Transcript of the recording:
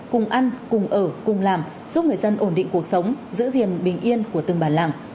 cùng ăn cùng ở cùng làm giúp người dân ổn định cuộc sống giữ gìn bình yên của từng bản làng